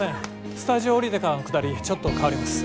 スタジオ降りてからのくだりちょっと変わります。